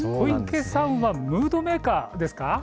小池さんはムードメーカーですか。